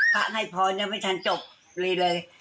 พระให้พร้ำให้ท่านจบเลยเลย